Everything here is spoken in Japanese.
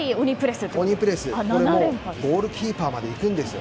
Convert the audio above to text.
ゴールキーパーまで行くんですよ。